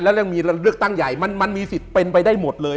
แล้วเรื่องมีเลือกตั้งใหญ่มันมีสิทธิ์เป็นไปได้หมดเลย